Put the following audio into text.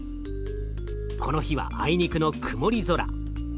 この日はあいにくの曇り空。